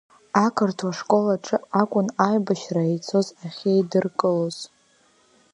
Ақырҭуа школ аҿы акәын аибашьра ицоз ахьеидыркылоз.